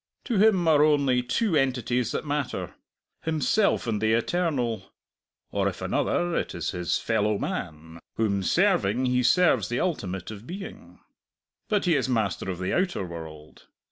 To him are only two entities that matter himself and the Eternal; or, if another, it is his fellow man, whom serving he serves the ultimate of being. But he is master of the outer world.